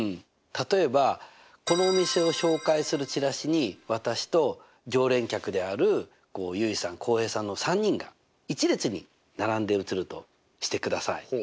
例えばこのお店を紹介するチラシに私と常連客である結衣さん浩平さんの３人が１列に並んで写るとしてください。